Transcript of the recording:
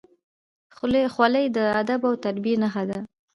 خولۍ د ادب او تربیې نښه ده.